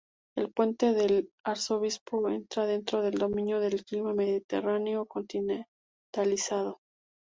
El Puente del Arzobispo entra dentro del dominio del clima mediterráneo continentalizado.